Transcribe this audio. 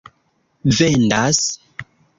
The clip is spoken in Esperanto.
vendas